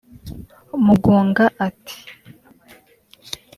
Mugunga ati